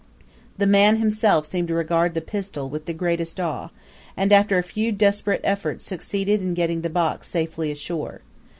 The man himself seemed to regard the pistol with the greatest awe, and after a few desperate efforts succeeded in getting the box safely ashore.